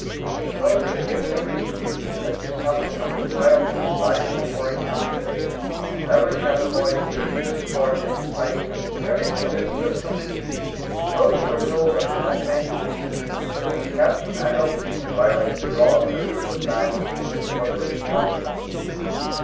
Suppose the news had reached you, that your son was under trial for his life, in a foreign country (and every cabin boy who leaves this port may be placed in the situation of this prisoner,) suppose you were told that he had been executed, because his captain and officers had violated the laws of a distant land; what would be your feelings?